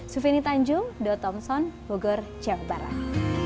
sufini tanjung do thompson bogor jawa barat